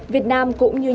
việt nam cũng như nhiều nước